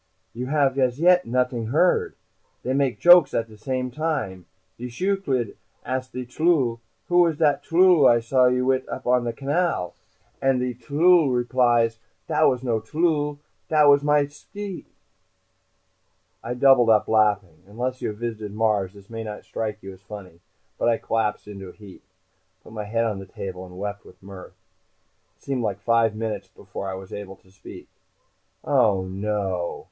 "You have as yet not'ing heard. They make jokes at same time. De shiyooch'iid asks de tllooll, 'Who was dat tlloolla I saw you wit' up the Canal?' and the tllooll replies, 'Dat was no tlloolla, dat was my shicai.'" I doubled up, laughing. Unless you have visited Mars this may not strike you as funny, but I collapsed into a heap. I put my head on the table and wept with mirth. It seemed like five minutes before I was able to speak. "Oh, no!"